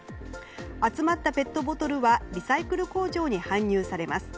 集まったペットボトルはリサイクル工場に搬入されます。